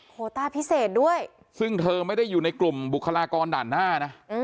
ต้าพิเศษด้วยซึ่งเธอไม่ได้อยู่ในกลุ่มบุคลากรด่านหน้านะ